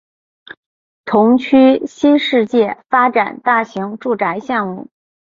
同区新世界发展大型住宅项目